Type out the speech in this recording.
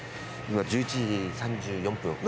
今１１時３４分。